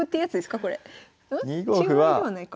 中合いではないか。